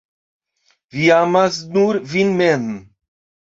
Vi amas nur vin mem.